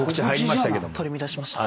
取り乱しました。